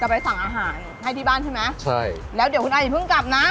ไปสั่งอาหารให้ที่บ้านใช่ไหมใช่แล้วเดี๋ยวคุณไออย่าเพิ่งกลับนะ